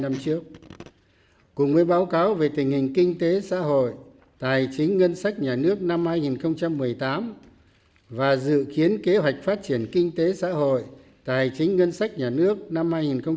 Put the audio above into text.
một là về kinh tế xã hội tài chính ngân sách nhà nước năm hai nghìn một mươi tám và dự kiến kế hoạch phát triển kinh tế xã hội tài chính ngân sách nhà nước năm hai nghìn một mươi chín